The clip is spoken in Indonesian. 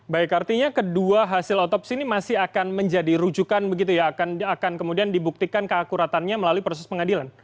baik artinya kedua hasil otopsi ini masih akan menjadi rujukan begitu ya akan kemudian dibuktikan keakuratannya melalui proses pengadilan